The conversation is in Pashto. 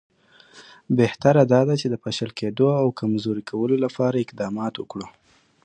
بهتره دا ده چې د پاشل کېدلو او کمزوري کولو لپاره اقدامات وکړو.